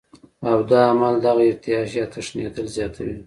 او دا عمل دغه ارتعاش يا تښنېدل زياتوي